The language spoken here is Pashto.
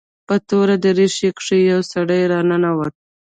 په توره دريشي کښې يو سړى راننوت.